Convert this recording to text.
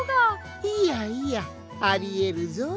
いやいやありえるぞい。